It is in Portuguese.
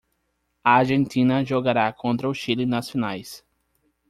A Argentina jogará contra o Chile nas finais.